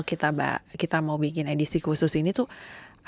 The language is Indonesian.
kita mau bikin edisi khusus ini tuh